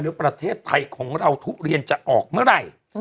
ประเทศไทยของเราทุเรียนจะออกเมื่อไหร่